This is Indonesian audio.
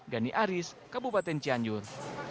gani aris kabupaten cianjur